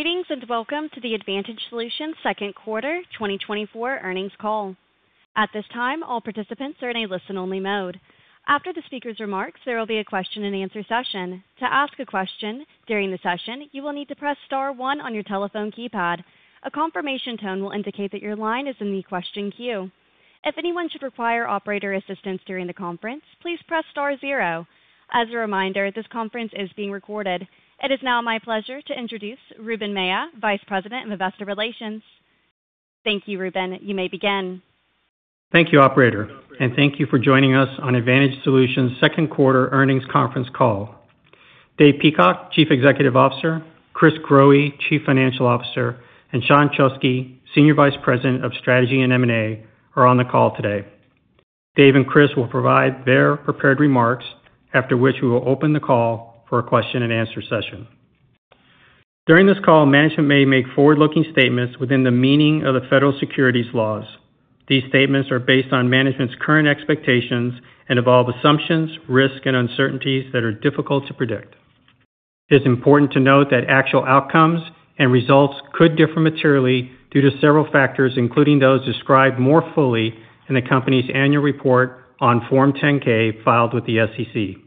Greetings, and welcome to the Advantage Solutions second quarter 2024 earnings call. At this time, all participants are in a listen-only mode. After the speaker's remarks, there will be a question-and-answer session. To ask a question during the session, you will need to press star one on your telephone keypad. A confirmation tone will indicate that your line is in the question queue. If anyone should require operator assistance during the conference, please press star zero. As a reminder, this conference is being recorded. It is now my pleasure to introduce Ruben Mella, Vice President of Investor Relations. Thank you, Ruben. You may begin. Thank you, operator, and thank you for joining us on Advantage Solutions second quarter earnings conference call. Dave Peacock, Chief Executive Officer, Chris Growe, Chief Financial Officer, and Sean Chasky, Senior Vice President of Strategy and M&A, are on the call today. Dave and Chris will provide their prepared remarks, after which we will open the call for a question-and-answer session. During this call, management may make forward-looking statements within the meaning of the federal securities laws. These statements are based on management's current expectations and involve assumptions, risks, and uncertainties that are difficult to predict. It's important to note that actual outcomes and results could differ materially due to several factors, including those described more fully in the company's annual report on Form 10-K, filed with the SEC.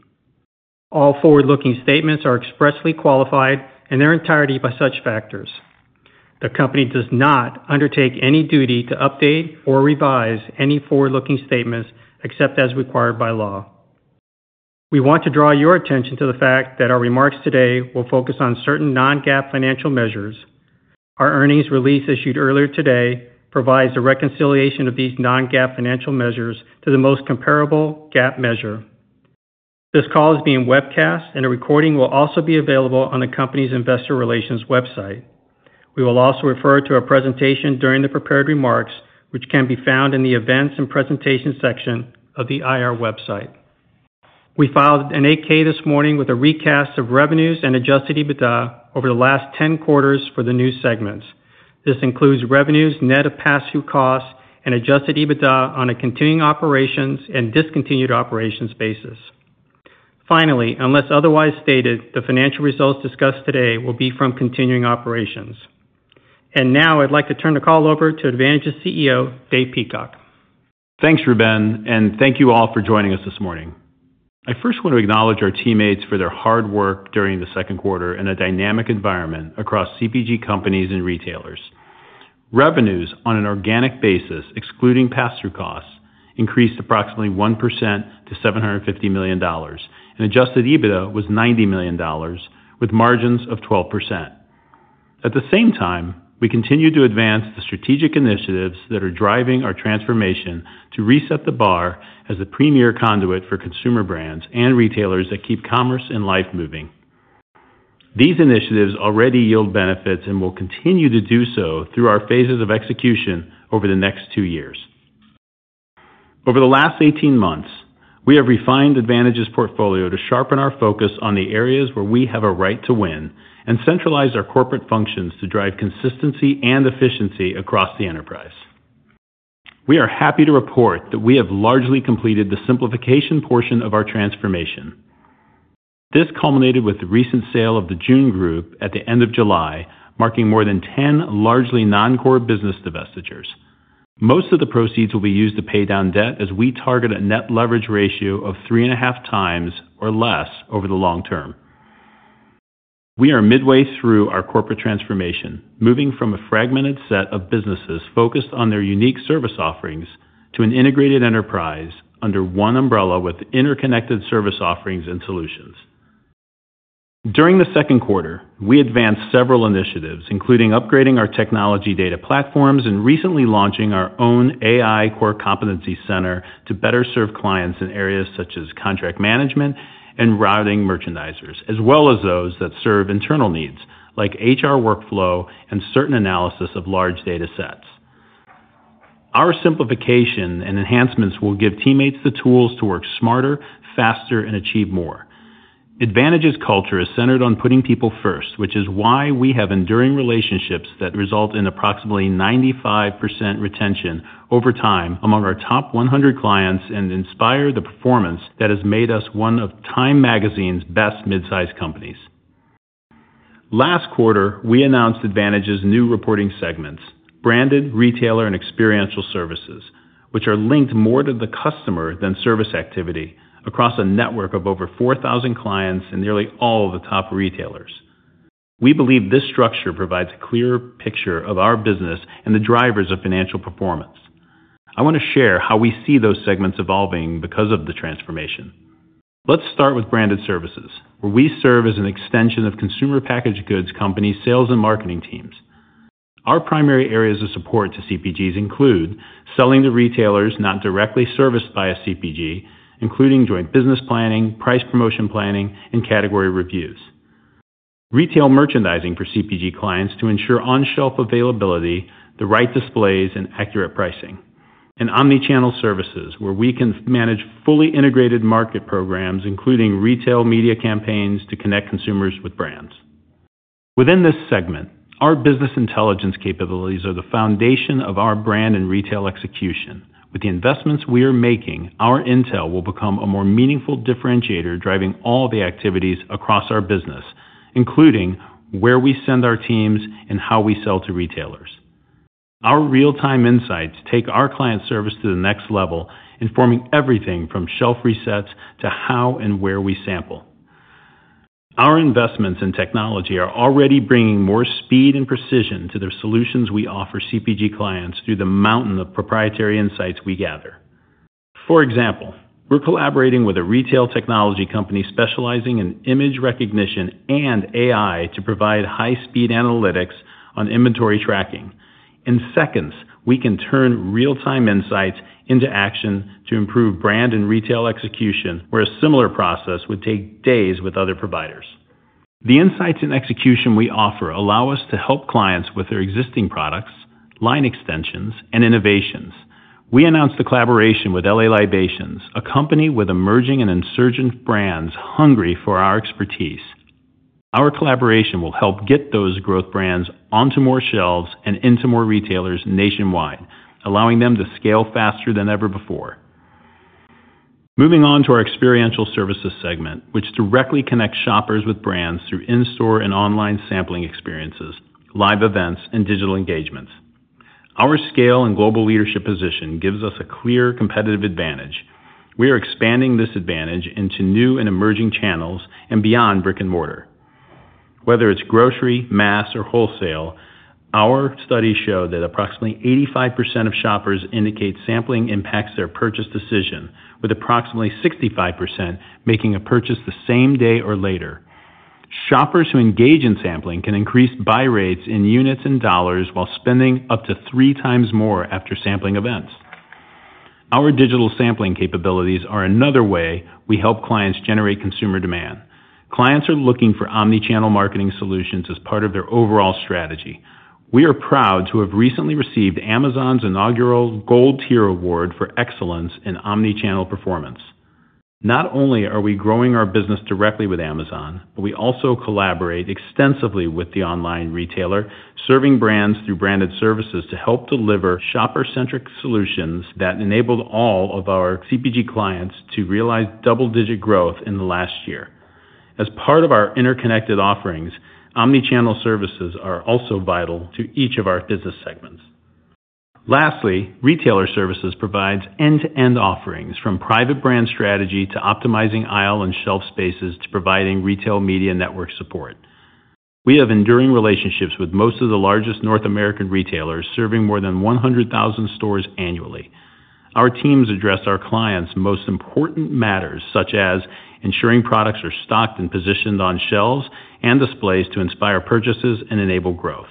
All forward-looking statements are expressly qualified in their entirety by such factors. The company does not undertake any duty to update or revise any forward-looking statements, except as required by law. We want to draw your attention to the fact that our remarks today will focus on certain non-GAAP financial measures. Our earnings release, issued earlier today, provides a reconciliation of these non-GAAP financial measures to the most comparable GAAP measure. This call is being webcast, and a recording will also be available on the company's investor relations website. We will also refer to our presentation during the prepared remarks, which can be found in the Events and Presentation section of the IR website. We filed an 8-K this morning with a recast of revenues and Adjusted EBITDA over the last 10 quarters for the new segments. This includes revenues net of pass-through costs and Adjusted EBITDA on a continuing operations and discontinued operations basis. Finally, unless otherwise stated, the financial results discussed today will be from continuing operations. Now I'd like to turn the call over to Advantage's CEO, Dave Peacock. Thanks, Ruben, and thank you all for joining us this morning. I first want to acknowledge our teammates for their hard work during the second quarter in a dynamic environment across CPG companies and retailers. Revenues on an organic basis, excluding pass-through costs, increased approximately 1% to $750 million, and adjusted EBITDA was $90 million with margins of 12%. At the same time, we continued to advance the strategic initiatives that are driving our transformation to reset the bar as a premier conduit for consumer brands and retailers that keep commerce and life moving. These initiatives already yield benefits and will continue to do so through our phases of execution over the next two years. Over the last 18 months, we have refined Advantage's portfolio to sharpen our focus on the areas where we have a right to win and centralize our corporate functions to drive consistency and efficiency across the enterprise. We are happy to report that we have largely completed the simplification portion of our transformation. This culminated with the recent sale of the Jun Group at the end of July, marking more than 10 largely non-core business divestitures. Most of the proceeds will be used to pay down debt as we target a net leverage ratio of 3.5 times or less over the long term. We are midway through our corporate transformation, moving from a fragmented set of businesses focused on their unique service offerings to an integrated enterprise under one umbrella with interconnected service offerings and solutions. During the second quarter, we advanced several initiatives, including upgrading our technology data platforms and recently launching our own AI core competency center to better serve clients in areas such as contract management and routing merchandisers, as well as those that serve internal needs like HR workflow and certain analysis of large data sets. Our simplification and enhancements will give teammates the tools to work smarter, faster, and achieve more. Advantage's culture is centered on putting people first, which is why we have enduring relationships that result in approximately 95% retention over time among our top 100 clients and inspire the performance that has made us one of Time magazine's best mid-sized companies. Last quarter, we announced Advantage's new reporting segments, Branded, Retailer, and Experiential Services, which are linked more to the customer than service activity across a network of over 4,000 clients and nearly all of the top retailers. We believe this structure provides a clearer picture of our business and the drivers of financial performance. I want to share how we see those segments evolving because of the transformation. Let's start with Branded Services, where we serve as an extension of consumer packaged goods companies, sales and marketing teams. Our primary areas of support to CPGs include selling to retailers not directly serviced by a CPG, including joint business planning, price promotion planning, and category reviews. Retail merchandising for CPG clients to ensure on-shelf availability, the right displays, and accurate pricing. And omni-channel services, where we can manage fully integrated market programs, including retail media campaigns, to connect consumers with brands. Within this segment, our business intelligence capabilities are the foundation of our brand and retail execution. With the investments we are making, our intel will become a more meaningful differentiator, driving all the activities across our business, including where we send our teams and how we sell to retailers.... Our real-time insights take our client service to the next level, informing everything from shelf resets to how and where we sample. Our investments in technology are already bringing more speed and precision to the solutions we offer CPG clients through the mountain of proprietary insights we gather. For example, we're collaborating with a retail technology company specializing in image recognition and AI to provide high-speed analytics on inventory tracking. In seconds, we can turn real-time insights into action to improve brand and retail execution, where a similar process would take days with other providers. The insights and execution we offer allow us to help clients with their existing products, line extensions, and innovations. We announced a collaboration with L.A. Libations, a company with emerging and insurgent brands hungry for our expertise. Our collaboration will help get those growth brands onto more shelves and into more retailers nationwide, allowing them to scale faster than ever before. Moving on to our Experiential Services segment, which directly connects shoppers with brands through in-store and online sampling experiences, live events, and digital engagements. Our scale and global leadership position gives us a clear competitive advantage. We are expanding this advantage into new and emerging channels and beyond brick-and-mortar. Whether it's grocery, mass, or wholesale, our studies show that approximately 85% of shoppers indicate sampling impacts their purchase decision, with approximately 65% making a purchase the same day or later. Shoppers who engage in sampling can increase buy rates in units and dollars while spending up to 3 times more after sampling events. Our digital sampling capabilities are another way we help clients generate consumer demand. Clients are looking for omni-channel marketing solutions as part of their overall strategy. We are proud to have recently received Amazon's inaugural Gold Tier Award for excellence in omni-channel performance. Not only are we growing our business directly with Amazon, but we also collaborate extensively with the online retailer, serving brands through branded services to help deliver shopper-centric solutions that enabled all of our CPG clients to realize double-digit growth in the last year. As part of our interconnected offerings, omni-channel services are also vital to each of our business segments. Lastly, Retailer Services provides end-to-end offerings, from private brand strategy to optimizing aisle and shelf spaces, to providing retail media network support. We have enduring relationships with most of the largest North American retailers, serving more than 100,000 stores annually. Our teams address our clients' most important matters, such as ensuring products are stocked and positioned on shelves and displays to inspire purchases and enable growth.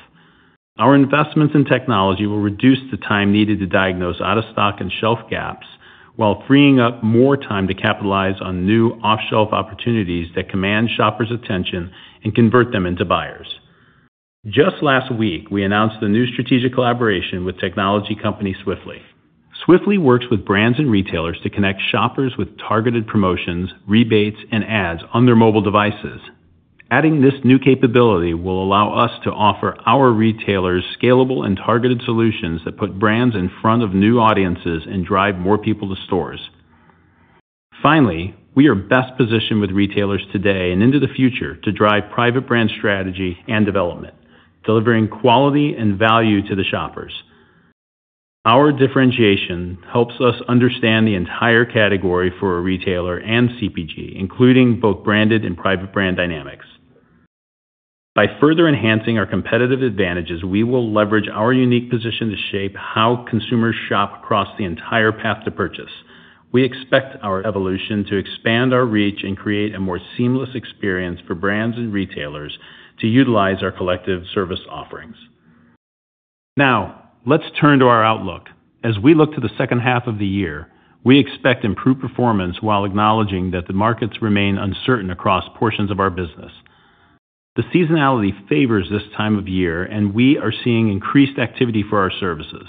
Our investments in technology will reduce the time needed to diagnose out-of-stock and shelf gaps, while freeing up more time to capitalize on new off-shelf opportunities that command shoppers' attention and convert them into buyers. Just last week, we announced a new strategic collaboration with technology company Swiftly. Swiftly works with brands and retailers to connect shoppers with targeted promotions, rebates, and ads on their mobile devices. Adding this new capability will allow us to offer our retailers scalable and targeted solutions that put brands in front of new audiences and drive more people to stores. Finally, we are best positioned with retailers today and into the future to drive private brand strategy and development, delivering quality and value to the shoppers. Our differentiation helps us understand the entire category for a retailer and CPG, including both branded and private brand dynamics. By further enhancing our competitive advantages, we will leverage our unique position to shape how consumers shop across the entire path to purchase. We expect our evolution to expand our reach and create a more seamless experience for brands and retailers to utilize our collective service offerings. Now, let's turn to our outlook. As we look to the second half of the year, we expect improved performance while acknowledging that the markets remain uncertain across portions of our business. The seasonality favors this time of year, and we are seeing increased activity for our services.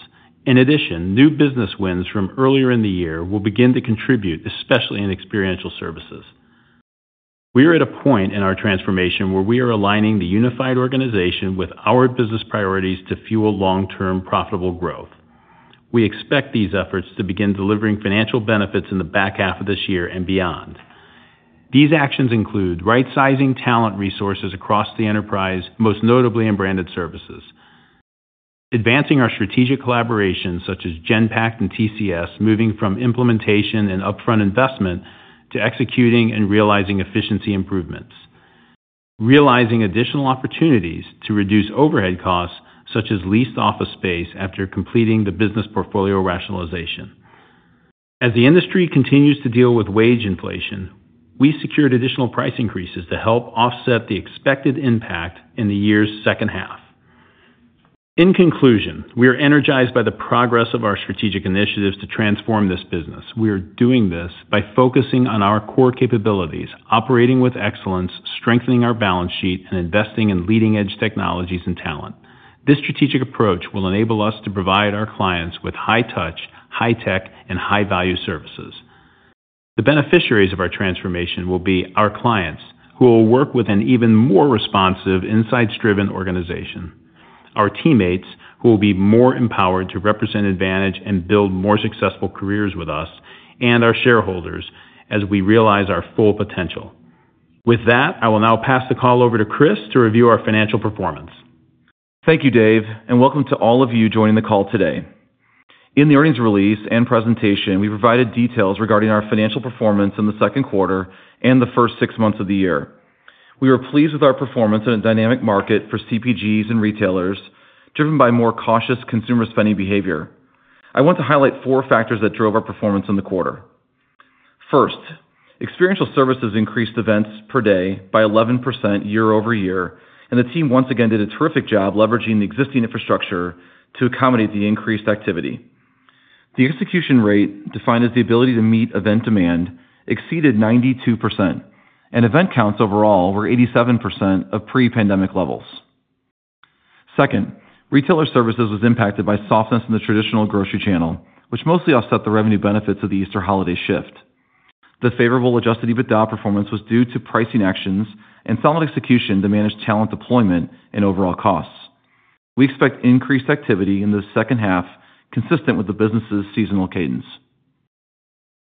In addition, new business wins from earlier in the year will begin to contribute, especially in Experiential Services. We are at a point in our transformation where we are aligning the unified organization with our business priorities to fuel long-term profitable growth. We expect these efforts to begin delivering financial benefits in the back half of this year and beyond. These actions include right-sizing talent resources across the enterprise, most notably in Branded Services. Advancing our strategic collaborations, such as Genpact and TCS, moving from implementation and upfront investment to executing and realizing efficiency improvements. Realizing additional opportunities to reduce overhead costs, such as leased office space, after completing the business portfolio rationalization. As the industry continues to deal with wage inflation, we secured additional price increases to help offset the expected impact in the year's second half. In conclusion, we are energized by the progress of our strategic initiatives to transform this business. We are doing this by focusing on our core capabilities, operating with excellence, strengthening our balance sheet, and investing in leading-edge technologies and talent. This strategic approach will enable us to provide our clients with high touch, high tech, and high-value services. The beneficiaries of our transformation will be our clients, who will work with an even more responsive, insights-driven organization. Our teammates, who will be more empowered to represent Advantage and build more successful careers with us, and our shareholders, as we realize our full potential. With that, I will now pass the call over to Chris to review our financial performance. Thank you, Dave, and welcome to all of you joining the call today. In the earnings release and presentation, we provided details regarding our financial performance in the second quarter and the first six months of the year. We are pleased with our performance in a dynamic market for CPGs and retailers, driven by more cautious consumer spending behavior. I want to highlight four factors that drove our performance in the quarter. First, Experiential Services increased events per day by 11% year-over-year, and the team once again did a terrific job leveraging the existing infrastructure to accommodate the increased activity. The execution rate, defined as the ability to meet event demand, exceeded 92%, and event counts overall were 87% of pre-pandemic levels. Second, Retailer Services was impacted by softness in the traditional grocery channel, which mostly offset the revenue benefits of the Easter holiday shift. The favorable Adjusted EBITDA performance was due to pricing actions and solid execution to manage talent deployment and overall costs. We expect increased activity in the second half, consistent with the business's seasonal cadence.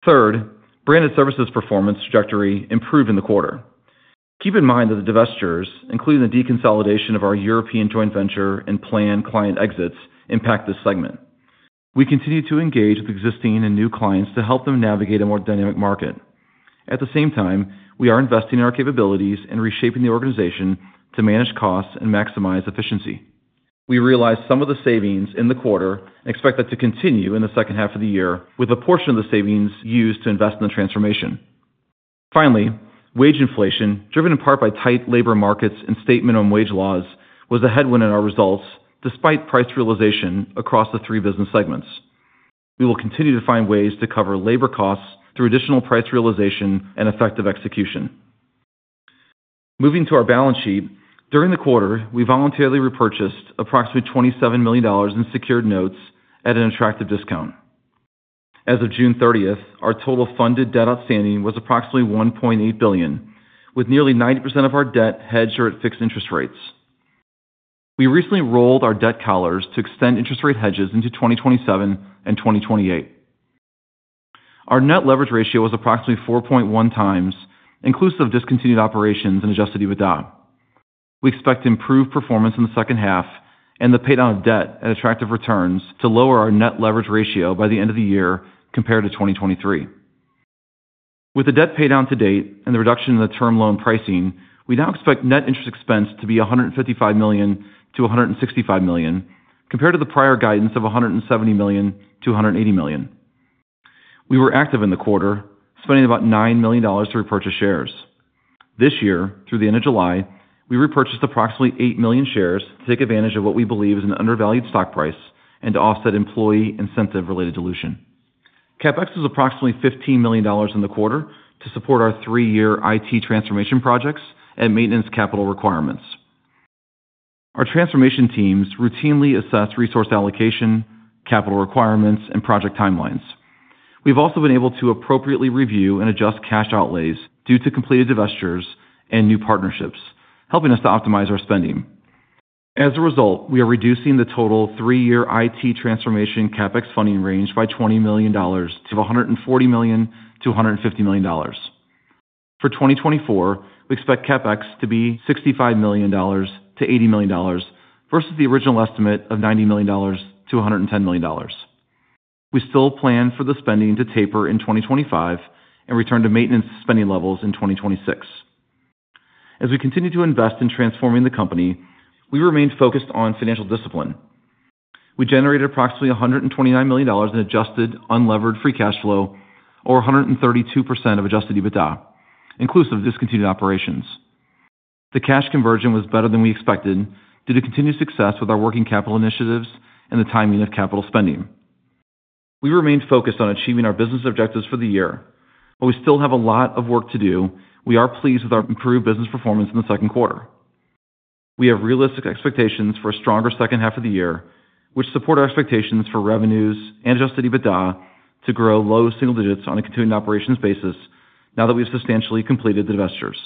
Third, Branded Services performance trajectory improved in the quarter. Keep in mind that the divestitures, including the deconsolidation of our European joint venture and planned client exits, impact this segment. We continue to engage with existing and new clients to help them navigate a more dynamic market. At the same time, we are investing in our capabilities and reshaping the organization to manage costs and maximize efficiency. We realized some of the savings in the quarter and expect that to continue in the second half of the year, with a portion of the savings used to invest in the transformation. Finally, wage inflation, driven in part by tight labor markets and state minimum wage laws, was a headwind in our results despite price realization across the three business segments. We will continue to find ways to cover labor costs through additional price realization and effective execution. Moving to our balance sheet. During the quarter, we voluntarily repurchased approximately $27 million in secured notes at an attractive discount. As of June 30, our total funded debt outstanding was approximately $1.8 billion, with nearly 90% of our debt hedged or at fixed interest rates. We recently rolled our debt collars to extend interest rate hedges into 2027 and 2028. Our net leverage ratio was approximately 4.1 times, inclusive of discontinued operations and Adjusted EBITDA. We expect improved performance in the second half and the paydown of debt at attractive returns to lower our net leverage ratio by the end of the year compared to 2023. With the debt paydown to date and the reduction in the term loan pricing, we now expect net interest expense to be $155 million-$165 million, compared to the prior guidance of $170 million-$180 million. We were active in the quarter, spending about $9 million to repurchase shares. This year, through the end of July, we repurchased approximately 8 million shares to take advantage of what we believe is an undervalued stock price and to offset employee incentive-related dilution. CapEx was approximately $15 million in the quarter to support our three-year IT transformation projects and maintenance capital requirements. Our transformation teams routinely assess resource allocation, capital requirements, and project timelines. We've also been able to appropriately review and adjust cash outlays due to completed divestitures and new partnerships, helping us to optimize our spending. As a result, we are reducing the total three-year IT transformation CapEx funding range by $20 million to $140 million-$150 million. For 2024, we expect CapEx to be $65 million-$80 million versus the original estimate of $90 million-$110 million. We still plan for the spending to taper in 2025 and return to maintenance spending levels in 2026. As we continue to invest in transforming the company, we remain focused on financial discipline. We generated approximately $129 million in Adjusted Unlevered Free Cash Flow, or 132% of Adjusted EBITDA, inclusive of discontinued operations. The cash conversion was better than we expected due to continued success with our working capital initiatives and the timing of capital spending. We remain focused on achieving our business objectives for the year. While we still have a lot of work to do, we are pleased with our improved business performance in the second quarter. We have realistic expectations for a stronger second half of the year, which support our expectations for revenues and Adjusted EBITDA to grow low single digits on a continuing operations basis now that we've substantially completed the divestitures.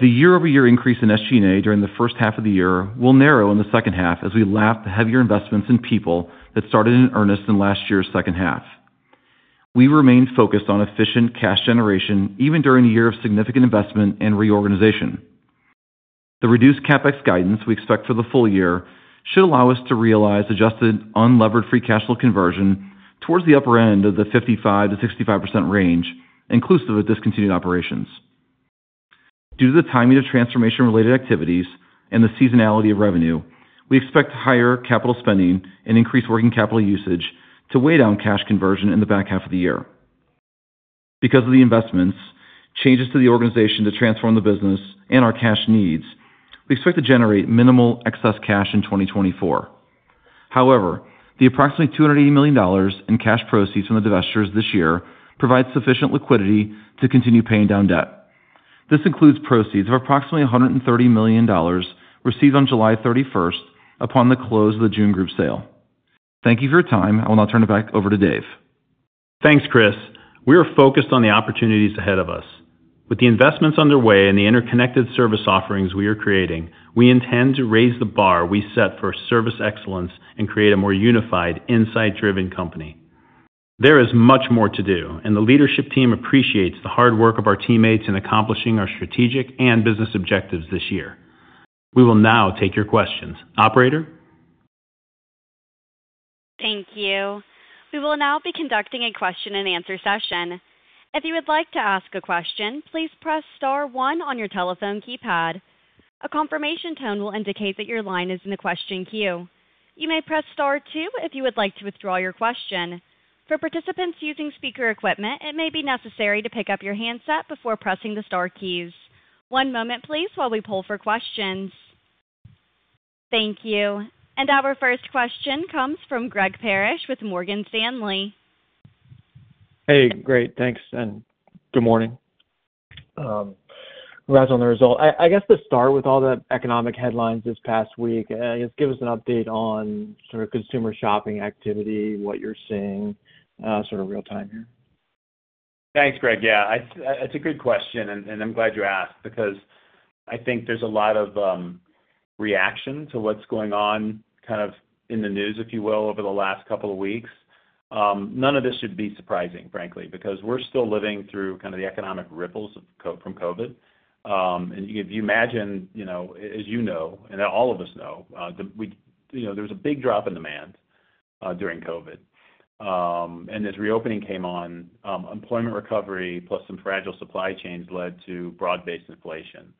The year-over-year increase in SG&A during the first half of the year will narrow in the second half as we lap the heavier investments in people that started in earnest in last year's second half. We remain focused on efficient cash generation, even during a year of significant investment and reorganization. The reduced CapEx guidance we expect for the full year should allow us to realize Adjusted Unlevered Free Cash Flow conversion towards the upper end of the 55%-65% range, inclusive of discontinued operations. Due to the timing of transformation-related activities and the seasonality of revenue, we expect higher capital spending and increased working capital usage to weigh down cash conversion in the back half of the year. Because of the investments, changes to the organization to transform the business and our cash needs, we expect to generate minimal excess cash in 2024. However, the approximately $280 million in cash proceeds from the divestitures this year provides sufficient liquidity to continue paying down debt. This includes proceeds of approximately $130 million received on July 31st upon the close of the Jun Group sale. Thank you for your time. I will now turn it back over to Dave. Thanks, Chris. We are focused on the opportunities ahead of us. With the investments underway and the interconnected service offerings we are creating, we intend to raise the bar we set for service excellence and create a more unified, insight-driven company.... There is much more to do, and the leadership team appreciates the hard work of our teammates in accomplishing our strategic and business objectives this year. We will now take your questions. Operator? Thank you. We will now be conducting a question-and-answer session. If you would like to ask a question, please press star one on your telephone keypad. A confirmation tone will indicate that your line is in the question queue. You may press star two if you would like to withdraw your question. For participants using speaker equipment, it may be necessary to pick up your handset before pressing the star keys. One moment, please, while we pull for questions. Thank you. Our first question comes from Greg Parrish with Morgan Stanley. Hey, great. Thanks, and good morning. Congrats on the result. I guess to start with all the economic headlines this past week, just give us an update on sort of consumer shopping activity, what you're seeing, sort of real-time here? Thanks, Greg. Yeah, that's a good question, and I'm glad you asked because I think there's a lot of reaction to what's going on, kind of in the news, if you will, over the last couple of weeks. None of this should be surprising, frankly, because we're still living through kind of the economic ripples from COVID. And if you imagine, you know, as you know, and all of us know, that you know, there was a big drop in demand during COVID. And as reopening came on, employment recovery, plus some fragile supply chains led to broad-based inflation.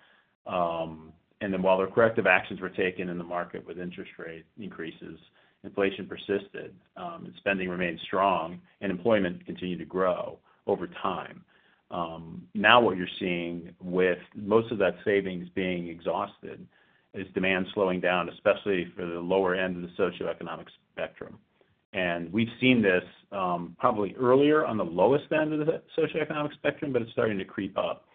And then while the corrective actions were taken in the market with interest rate increases, inflation persisted, and spending remained strong and employment continued to grow over time. Now what you're seeing with most of that savings being exhausted is demand slowing down, especially for the lower end of the socioeconomic spectrum. And we've seen this, probably earlier on the lowest end of the socioeconomic spectrum, but it's starting to creep up,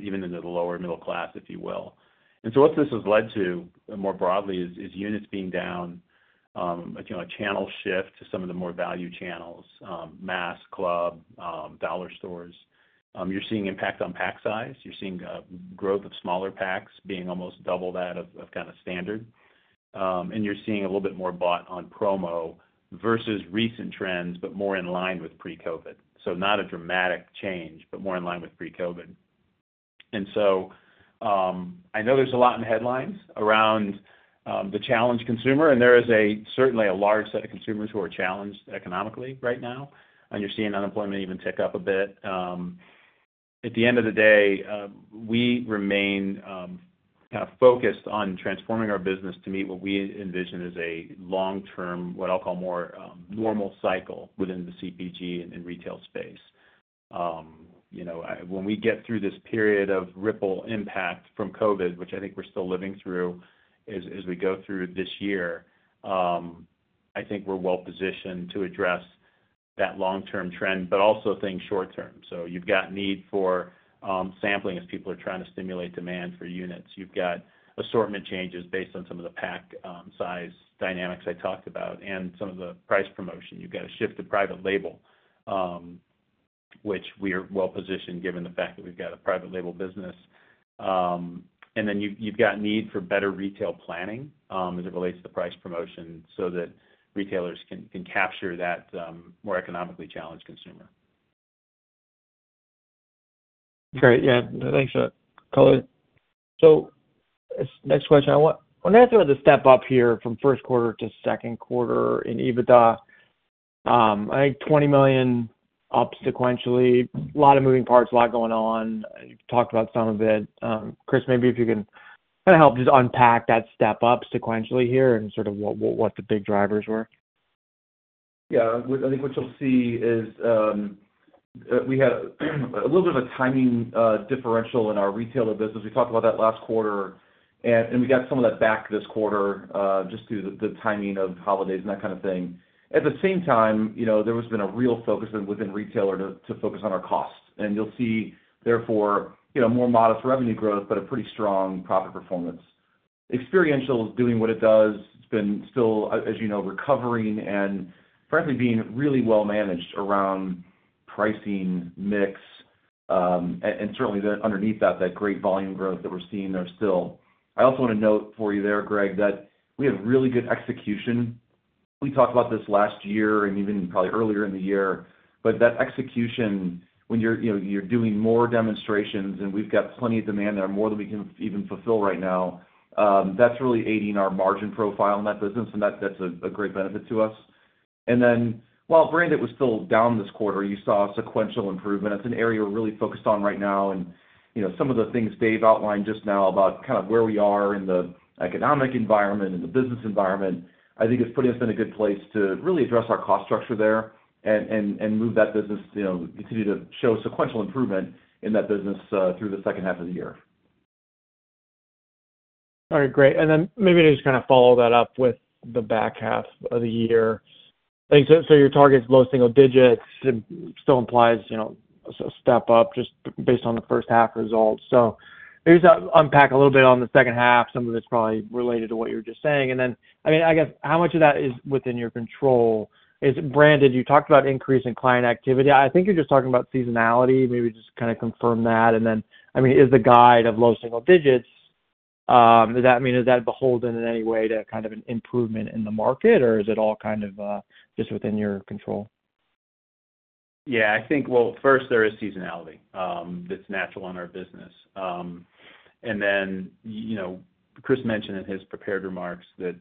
even into the lower middle class, if you will. And so what this has led to, more broadly, is units being down, like, you know, a channel shift to some of the more value channels, mass, club, dollar stores. You're seeing impact on pack size. You're seeing, growth of smaller packs being almost double that of kinda standard. And you're seeing a little bit more bought on promo versus recent trends, but more in line with pre-COVID. So not a dramatic change, but more in line with pre-COVID. And so, I know there's a lot in the headlines around the challenged consumer, and there is certainly a large set of consumers who are challenged economically right now, and you're seeing unemployment even tick up a bit. At the end of the day, we remain kind of focused on transforming our business to meet what we envision is a long-term, what I'll call more normal cycle within the CPG and retail space. You know, when we get through this period of ripple impact from COVID, which I think we're still living through as we go through this year, I think we're well positioned to address that long-term trend, but also think short term. So you've got need for sampling as people are trying to stimulate demand for units. You've got assortment changes based on some of the package size dynamics I talked about and some of the price promotion. You've got a shift to private label, which we are well positioned, given the fact that we've got a private label business. And then you've got need for better retail planning, as it relates to the price promotion so that retailers can capture that more economically challenged consumer. Great. Yeah, thanks for that color. So next question, I want on that sort of the step up here from first quarter to second quarter in EBITDA. I think $20 million up sequentially, a lot of moving parts, a lot going on. You've talked about some of it. Chris, maybe if you can kinda help just unpack that step up sequentially here and sort of what, what, what the big drivers were. Yeah, I think what you'll see is, we had a little bit of a timing differential in our retailer business. We talked about that last quarter, and we got some of that back this quarter, just due to the timing of holidays and that kind of thing. At the same time, you know, there has been a real focus within retailer to focus on our costs, and you'll see, therefore, you know, more modest revenue growth, but a pretty strong profit performance. Experiential is doing what it does. It's been still, as you know, recovering and frankly, being really well managed around pricing, mix, and certainly the underneath that great volume growth that we're seeing there still. I also want to note for you there, Greg, that we have really good execution. We talked about this last year and even probably earlier in the year, but that execution, when you're, you know, you're doing more demonstrations, and we've got plenty of demand there, more than we can even fulfill right now, that's really aiding our margin profile in that business, and that, that's a great benefit to us. And then while branded was still down this quarter, you saw a sequential improvement. It's an area we're really focused on right now, and, you know, some of the things Dave outlined just now about kind of where we are in the economic environment and the business environment, I think is putting us in a good place to really address our cost structure there and, and, and move that business, you know, continue to show sequential improvement in that business, through the second half of the year. All right, great. Then maybe just kind of follow that up with the back half of the year. I think so, so your target is low single digits, it still implies, you know, a step up just based on the first half results. So maybe just unpack a little bit on the second half, some of it's probably related to what you were just saying. And then, I mean, I guess, how much of that is within your control? Is it branded? You talked about increase in client activity. I think you're just talking about seasonality. Maybe just kinda confirm that. And then, I mean, is the guide of low single digits-... does that mean, is that beholden in any way to kind of an improvement in the market, or is it all kind of, just within your control? Yeah, I think, well, first, there is seasonality, that's natural in our business. And then, you know, Chris mentioned in his prepared remarks that,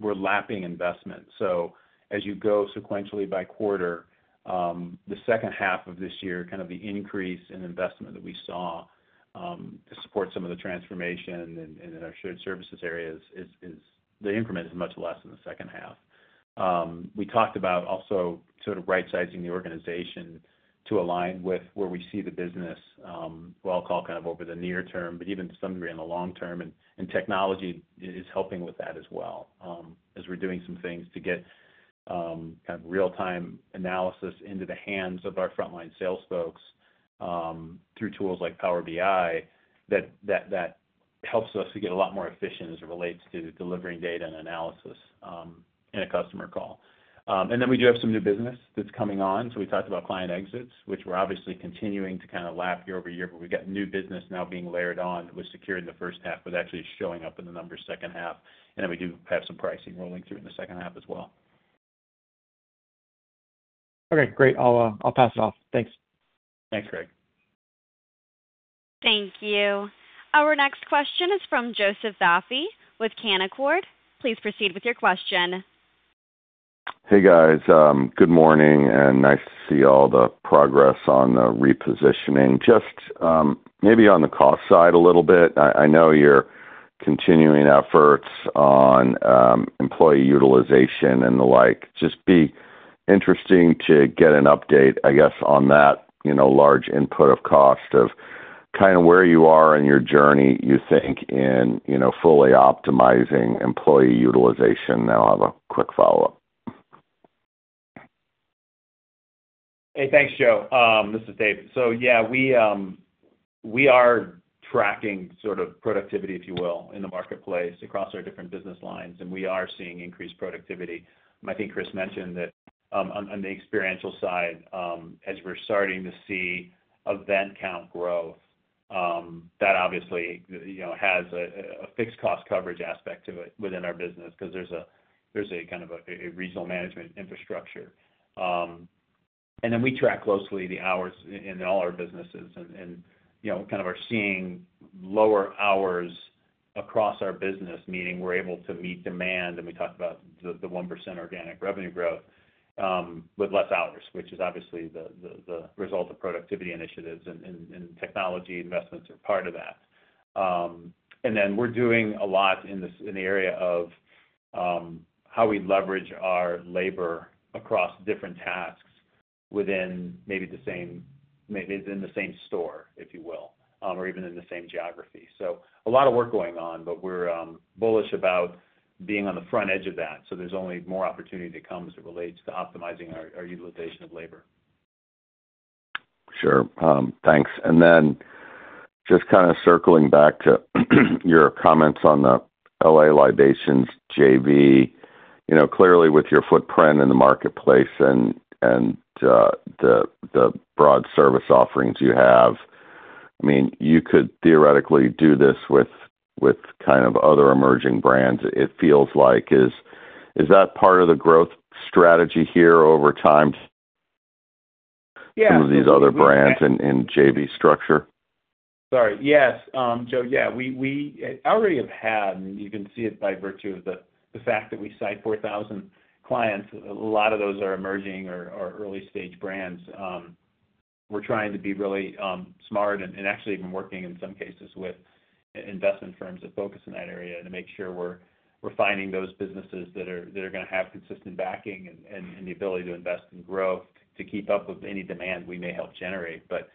we're lapping investment. So as you go sequentially by quarter, the second half of this year, kind of the increase in investment that we saw, to support some of the transformation and in our shared services areas is the increment is much less in the second half. We talked about also sort of right-sizing the organization to align with where we see the business, what I'll call kind of over the near term, but even to some degree, in the long term, and, and technology is helping with that as well, as we're doing some things to get, kind of real-time analysis into the hands of our frontline sales folks, through tools like Power BI, that, that, that helps us to get a lot more efficient as it relates to delivering data and analysis, in a customer call. And then we do have some new business that's coming on. So we talked about client exits, which we're obviously continuing to kind of lap year-over-year, but we've got new business now being layered on that was secured in the first half, but actually showing up in the numbers second half. And then we do have some pricing rolling through in the second half as well. Okay, great. I'll pass it off. Thanks. Thanks, Greg. Thank you. Our next question is from Joseph Vafi with Canaccord. Please proceed with your question. Hey, guys, good morning, and nice to see all the progress on the repositioning. Just maybe on the cost side a little bit, I know you're continuing efforts on employee utilization and the like. Just be interesting to get an update, I guess, on that, you know, large input of cost of kind of where you are in your journey, you think, in you know, fully optimizing employee utilization. Now I'll have a quick follow-up. Hey, thanks, Joe. This is Dave. So yeah, we are tracking sort of productivity, if you will, in the marketplace across our different business lines, and we are seeing increased productivity. I think Chris mentioned that on the experiential side, as we're starting to see event count growth, that obviously, you know, has a fixed cost coverage aspect to it within our business because there's a kind of a regional management infrastructure. And then we track closely the hours in all our businesses, and you know, kind of are seeing lower hours across our business, meaning we're able to meet demand, and we talked about the 1% organic revenue growth with less hours, which is obviously the result of productivity initiatives, and technology investments are part of that. And then we're doing a lot in the area of how we leverage our labor across different tasks within maybe the same, maybe within the same store, if you will, or even in the same geography. So a lot of work going on, but we're bullish about being on the front edge of that. So there's only more opportunity to come as it relates to optimizing our utilization of labor. Sure. Thanks. And then just kind of circling back to your comments on the L.A. Libations JV. You know, clearly, with your footprint in the marketplace and the broad service offerings you have, I mean, you could theoretically do this with kind of other emerging brands. It feels like, is that part of the growth strategy here over time- Yeah -some of these other brands in JV structure? Sorry. Yes, Joe, yeah, we already have had, and you can see it by virtue of the fact that we signed 4,000 clients. A lot of those are emerging or early-stage brands. We're trying to be really smart and actually even working, in some cases, with investment firms that focus in that area to make sure we're finding those businesses that are gonna have consistent backing and the ability to invest and grow, to keep up with any demand we may help generate. But,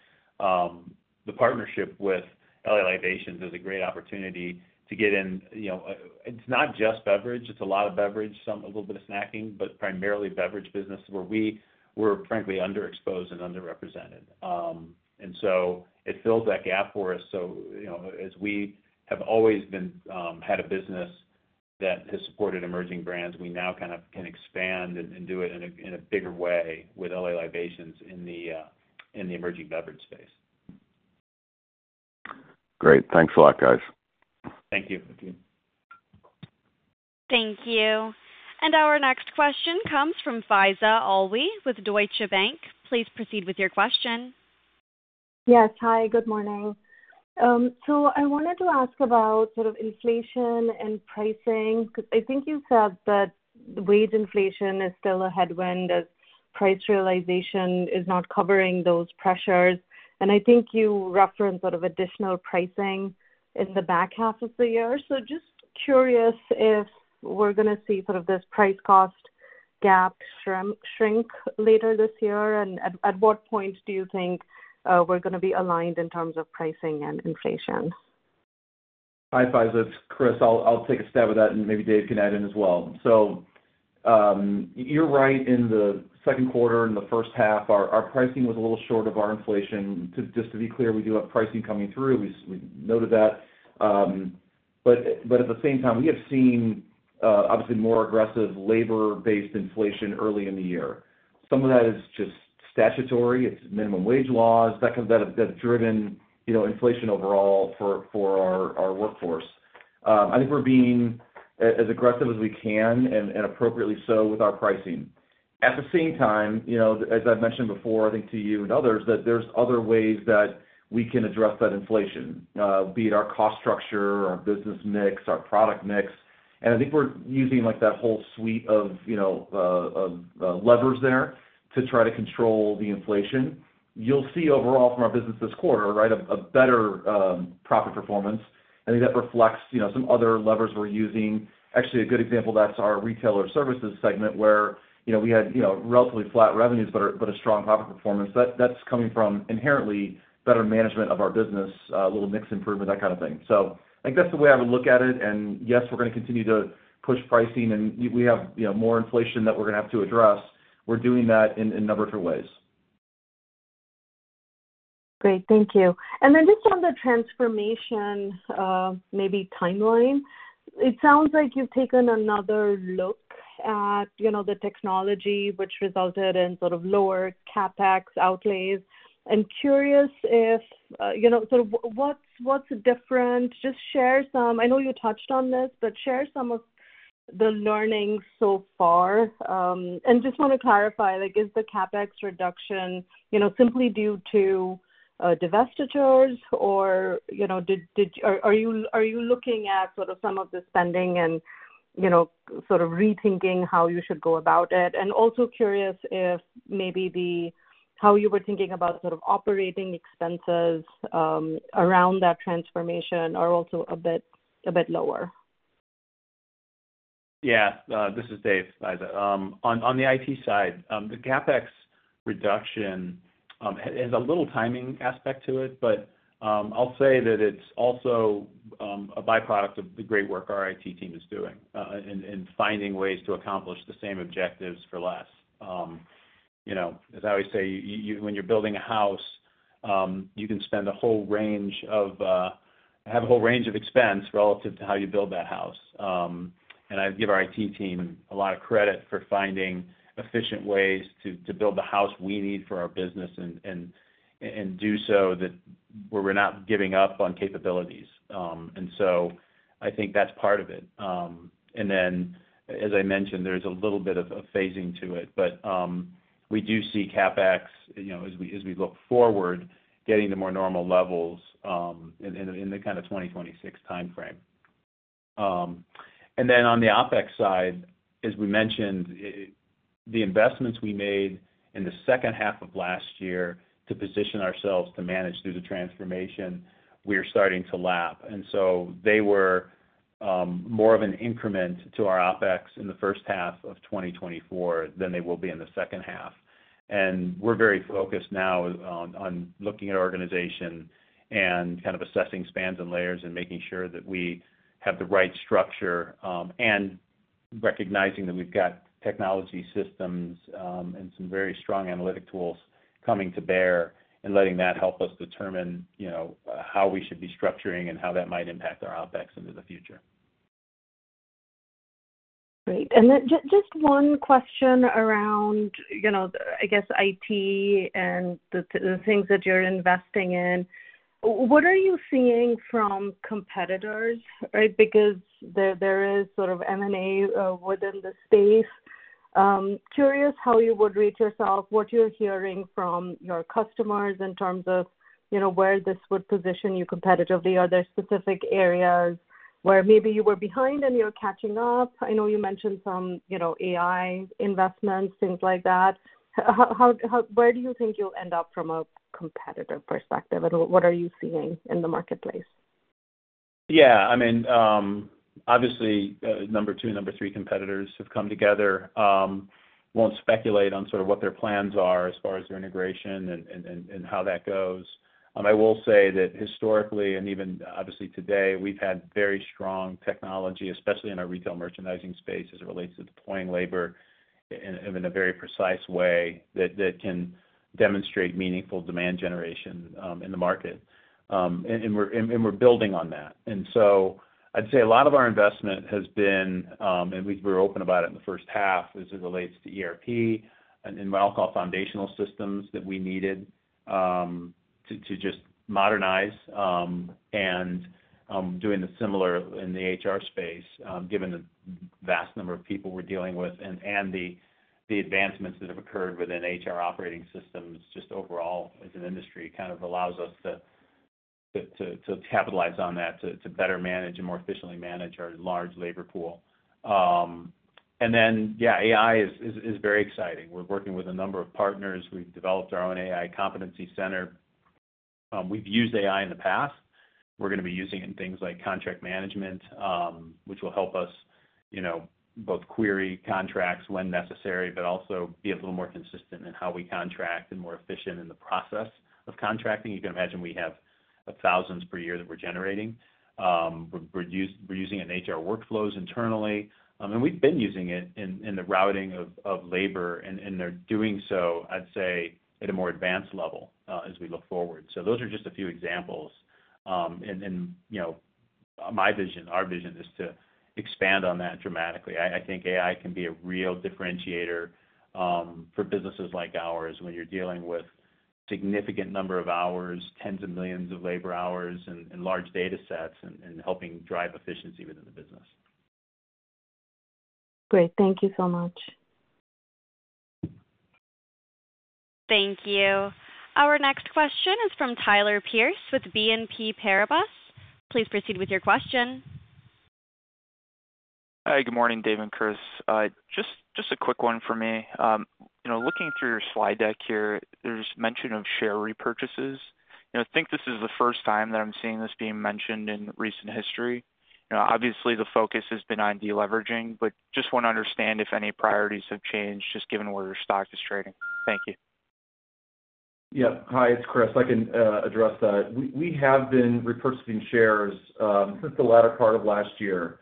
the partnership with L.A. Libations is a great opportunity to get in, you know. It's not just beverage, it's a lot of beverage, some, a little bit of snacking, but primarily beverage business, where we were frankly underexposed and underrepresented. And so it fills that gap for us. So, you know, as we have always been had a business that has supported emerging brands, we now kind of can expand and do it in a bigger way with L.A. Libations in the emerging beverage space. Great. Thanks a lot, guys. Thank you. Thank you. Our next question comes from Faiza Alwy with Deutsche Bank. Please proceed with your question. Yes. Hi, good morning. So I wanted to ask about sort of inflation and pricing, because I think you said that wage inflation is still a headwind, as price realization is not covering those pressures. And I think you referenced sort of additional pricing in the back half of the year. So just curious if we're gonna see sort of this price cost gap shrink later this year, and at what point do you think we're gonna be aligned in terms of pricing and inflation? Hi, Faiza. It's Chris. I'll take a stab at that, and maybe Dave can add in as well. So, you're right, in the second quarter and the first half, our pricing was a little short of our inflation. Just to be clear, we do have pricing coming through. We noted that. But at the same time, we have seen-... obviously more aggressive labor-based inflation early in the year. Some of that is just statutory; it's minimum wage laws. That, that's driven, you know, inflation overall for our workforce. I think we're being as aggressive as we can, and appropriately so with our pricing. At the same time, you know, as I've mentioned before, I think to you and others, that there's other ways that we can address that inflation, be it our cost structure, our business mix, our product mix. And I think we're using, like, that whole suite of, you know, levers there to try to control the inflation. You'll see overall from our business this quarter, right, a better profit performance. I think that reflects, you know, some other levers we're using. Actually, a good example of that's our Retailer Services segment, where, you know, we had, you know, relatively flat revenues, but a strong profit performance. That's coming from inherently better management of our business, a little mix improvement, that kind of thing. So I think that's the way I would look at it. And yes, we're gonna continue to push pricing, and we have, you know, more inflation that we're gonna have to address. We're doing that in a number of different ways. Great, thank you. And then just on the transformation, maybe timeline. It sounds like you've taken another look at, you know, the technology which resulted in sort of lower CapEx outlays. I'm curious if, you know, sort of what, what's different? Just share some... I know you touched on this, but share some of the learnings so far. And just wanna clarify, like, is the CapEx reduction, you know, simply due to divestitures? Or, you know, are you looking at sort of some of the spending and, you know, sort of rethinking how you should go about it? And also curious if maybe how you were thinking about sort of operating expenses around that transformation are also a bit lower. Yeah. This is Dave, Faiza. On the IT side, the CapEx reduction has a little timing aspect to it, but I'll say that it's also a byproduct of the great work our IT team is doing in finding ways to accomplish the same objectives for less. You know, as I always say, you when you're building a house, you can have a whole range of expense relative to how you build that house. And I give our IT team a lot of credit for finding efficient ways to build the house we need for our business and do so that where we're not giving up on capabilities. And so I think that's part of it. And then as I mentioned, there's a little bit of phasing to it, but, we do see CapEx, you know, as we look forward, getting to more normal levels, in the kind of 2026 timeframe. And then on the OpEx side, as we mentioned, the investments we made in the second half of last year to position ourselves to manage through the transformation, we are starting to lap. And so they were, more of an increment to our OpEx in the first half of 2024 than they will be in the second half. We're very focused now on looking at our organization and kind of assessing spans and layers and making sure that we have the right structure, and recognizing that we've got technology systems, and some very strong analytic tools coming to bear, and letting that help us determine, you know, how we should be structuring and how that might impact our OpEx into the future. Great. And then just one question around, you know, I guess, IT and the things that you're investing in. What are you seeing from competitors, right? Because there is sort of M&A within the space. Curious how you would rate yourself, what you're hearing from your customers in terms of, you know, where this would position you competitively. Are there specific areas where maybe you were behind and you're catching up? I know you mentioned some, you know, AI investments, things like that. How where do you think you'll end up from a competitive perspective, and what are you seeing in the marketplace? Yeah, I mean, obviously, number two and number three competitors have come together. Won't speculate on sort of what their plans are as far as their integration and how that goes. I will say that historically, and even obviously today, we've had very strong technology, especially in our retail merchandising space, as it relates to deploying labor in a very precise way, that can demonstrate meaningful demand generation in the market. And we're building on that. So I'd say a lot of our investment has been, and we're open about it in the first half as it relates to ERP and what I'll call foundational systems that we needed to just modernize, and doing the similar in the HR space, given the vast number of people we're dealing with and the advancements that have occurred within HR operating systems just overall as an industry, kind of allows us to capitalize on that, to better manage and more efficiently manage our large labor pool. And then, yeah, AI is very exciting. We're working with a number of partners. We've developed our own AI competency center. We've used AI in the past. We're gonna be using it in things like contract management, which will help us, you know, both query contracts when necessary, but also be a little more consistent in how we contract and more efficient in the process of contracting. You can imagine we have thousands per year that we're generating. We're using it in HR workflows internally. And we've been using it in the routing of labor, and they're doing so, I'd say, at a more advanced level as we look forward. So those are just a few examples.... And, you know, my vision, our vision is to expand on that dramatically. I think AI can be a real differentiator for businesses like ours, when you're dealing with significant number of hours, tens of millions of labor hours and large data sets and helping drive efficiency within the business. Great. Thank you so much. Thank you. Our next question is from Tyler Pierce with BNP Paribas. Please proceed with your question. Hi, good morning, Dave and Chris. Just a quick one for me. You know, looking through your slide deck here, there's mention of share repurchases. You know, I think this is the first time that I'm seeing this being mentioned in recent history. You know, obviously, the focus has been on deleveraging, but just wanna understand if any priorities have changed, just given where your stock is trading. Thank you. Yeah. Hi, it's Chris. I can address that. We have been repurchasing shares since the latter part of last year.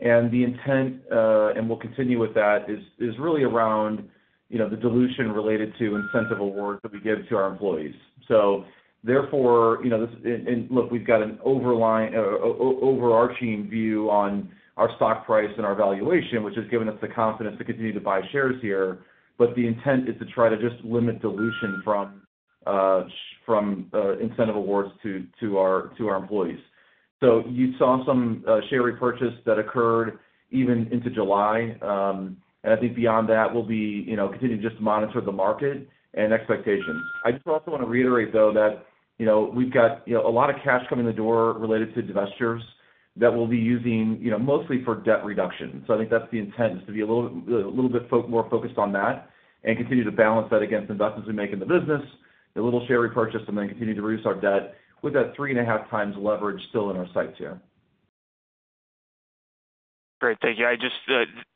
And the intent and we'll continue with that is really around, you know, the dilution related to incentive awards that we give to our employees. So therefore, you know, this and look, we've got an overarching view on our stock price and our valuation, which has given us the confidence to continue to buy shares here. But the intent is to try to just limit dilution from incentive awards to our employees. So you saw some share repurchase that occurred even into July. And I think beyond that, we'll be, you know, continuing to just monitor the market and expectations. I just also wanna reiterate, though, that, you know, we've got, you know, a lot of cash coming in the door related to divestitures that we'll be using, you know, mostly for debt reduction. So I think that's the intent, is to be a little bit more focused on that and continue to balance that against investments we make in the business, a little share repurchase, and then continue to reduce our debt with that 3.5x leverage still in our sights here. Great. Thank you. I just,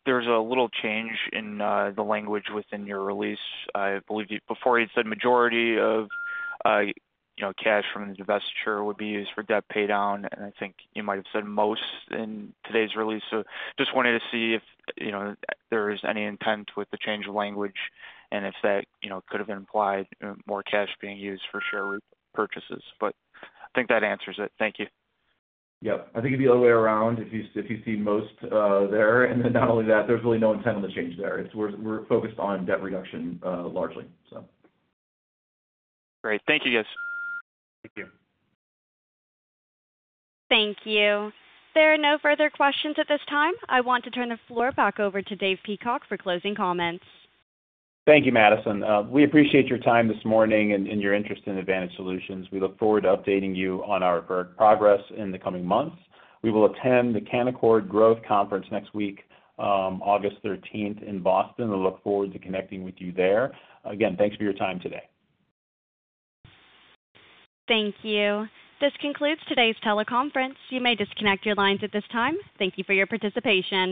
there's a little change in the language within your release. I believe you, before you'd said majority of, you know, cash from the divestiture would be used for debt paydown, and I think you might have said most in today's release. So just wanted to see if, you know, there is any intent with the change of language and if that, you know, could have implied, you know, more cash being used for share repurchases. But I think that answers it. Thank you. Yep. I think it'd be the other way around if you see most there. And then not only that, there's really no intent on the change there. It's we're focused on debt reduction largely, so. Great. Thank you, guys. Thank you. Thank you. There are no further questions at this time. I want to turn the floor back over to Dave Peacock for closing comments. Thank you, Madison. We appreciate your time this morning and your interest in Advantage Solutions. We look forward to updating you on our progress in the coming months. We will attend the Canaccord Growth Conference next week, August 13 in Boston, and look forward to connecting with you there. Again, thanks for your time today. Thank you. This concludes today's teleconference. You may disconnect your lines at this time. Thank you for your participation.